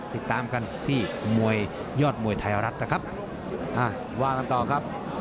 ติดตามกันที่ยอดมวยไทยรัฐนะครับ